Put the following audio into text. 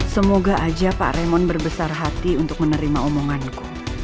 semoga aja pak remon berbesar hati untuk menerima omonganku